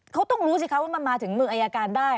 เขาต้องรู้สิคะว่ามันมาถึงมืออายการได้